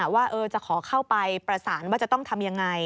ว่าจะขอเข้าไปประสานว่าจะต้องทำยังไง